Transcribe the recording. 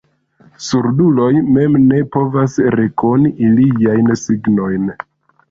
Surduloj mem ne povas rekoni iliajn signojn.